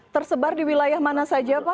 tersebar di wilayah mana saja pak